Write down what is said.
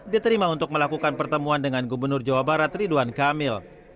diterima untuk melakukan pertemuan dengan gubernur jawa barat ridwan kamil